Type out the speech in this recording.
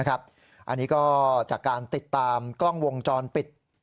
อันนี้ก็จากการติดตามกล้องวงจรปิด